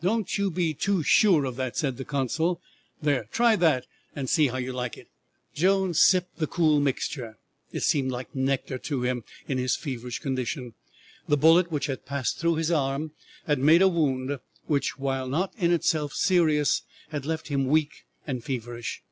"Don't you be too sure of that," said the consul. "There, try that and see how you like it." Jones sipped the cool mixture; it seemed like nectar to him in his feverish condition. The bullet which had passed through his arm had made a wound, which, while not in itself serious, had left him weak and feverish.